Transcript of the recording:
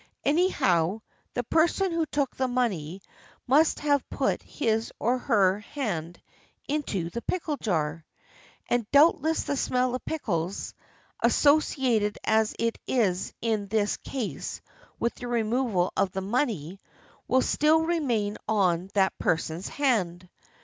Anyhow, the person who took the money must have put his or her hand into the pickle jar. And doubtless the smell of pickles, associated as it is in this case with the removal of the money, wiU still remain on that person's hand.